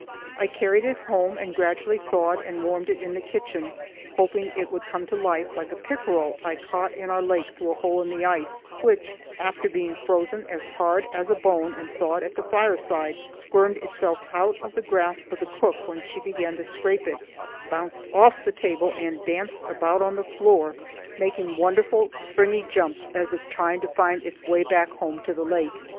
I carried it home and gradually thawed and warmed it in the kitchen, hoping it would come to life like a pickerel I caught in our lake through a hole in the ice, which, after being frozen as hard as a bone and thawed at the fireside, squirmed itself out of the grasp of the cook when she began to scrape it, bounced off the table, and danced about on the floor, making wonderful springy jumps as if trying to find its way back home to the lake.